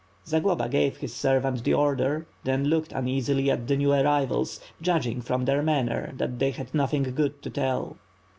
Zagloba gave his servant the order, then looked uneasily at the new arrivals; judging from their manner that they had nothing good to tell.